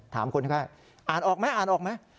คนไข้อ่านออกไหมอ่านออกไหม